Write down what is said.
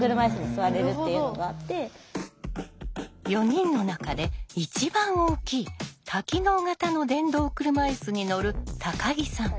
４人の中で一番大きい多機能型の電動車いすに乗る木さん。